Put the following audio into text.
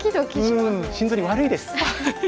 うん心臓に悪いです。